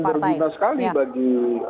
berguna sekali bagi